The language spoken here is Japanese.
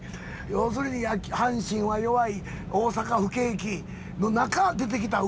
要するに「阪神は弱い」「大阪不景気」の中出てきた馬や。